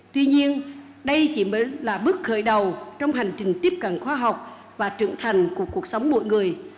tuy nhiên đây chỉ mới là bước khởi đầu trong hành trình tiếp cận khoa học và trưởng thành của cuộc sống mỗi người